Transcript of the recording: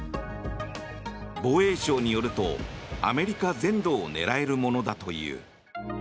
防衛省によると、アメリカ全土を狙えるものだという。